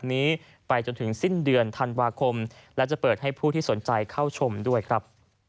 นี้ไปจนถึงสิ้นเดือนธันวาคมและจะเปิดให้ผู้ที่สนใจเข้าชมด้วยครับ